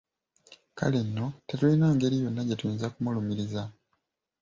Kale nno tetulina ngeri yonna gye tuyinza kumulumiriza.